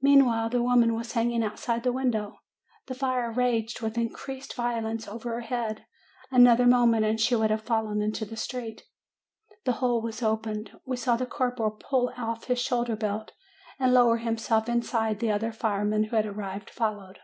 252 MAY "Meanwhile, the woman was hanging outside the window. The fire raged with increased violence over her head; another moment, and she would have fallen into the street. "The hole was opened. We saw the corporal pull off his shoulder belt and lower himself inside: the other firemen, who had arrived, followed.